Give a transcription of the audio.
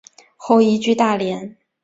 后移居大连。